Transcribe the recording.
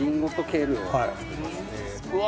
うわ！